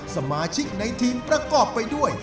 สมาชิกในทีมประกอบไปด้วย